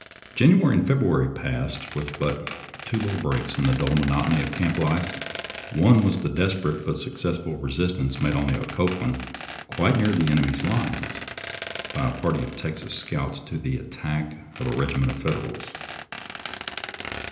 January and February passed with but two little breaks in the dull monotony of camp life. One was the desperate but successful resistance made on the Occoquan, quite near the enemy's lines, by a party of Texas scouts to the attack of a regiment of Federals.